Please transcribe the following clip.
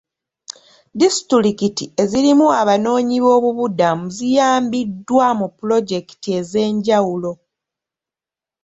Disitulikiti ezirimu abanoonyiboobubudamu ziyambiddwa mu pulojekiti ez'enjawulo.